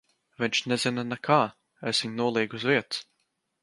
Viņš nezina nekā. Es viņu nolīgu uz vietas.